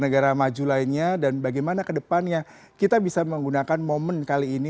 negara maju lainnya dan bagaimana kedepannya kita bisa menggunakan momen kali ini